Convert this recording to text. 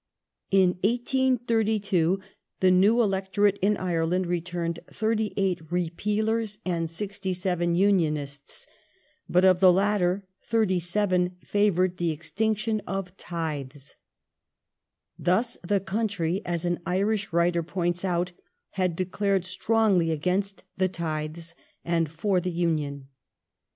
In 18S2 the new electorate in Ireland returned 38 Repealers and 67 Unionists : but of the latter 37 favoured the extinction of tithes. Thus the country, as an Irish writer points out, had declared strongly against the tithes, and for the Union.